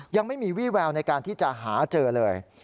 ยังไม่มีวี่แววในการที่จะหาเจอเลย